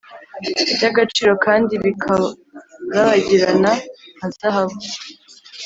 by’agaciro kandi bika rabagirana nka zahabu